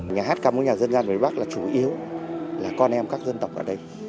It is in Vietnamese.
nhà hát cắm của nhà dân gian việt bắc là chủ yếu là con em các dân tộc ở đây